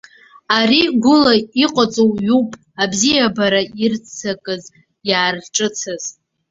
Ари гәыла иҟаҵоу ҩуп, абзиабара иарццакыз, иарҿыцыз.